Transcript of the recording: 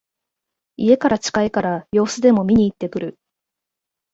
家から近いから様子でも見にいってくる